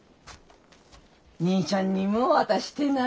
兄ちゃんにも渡してな。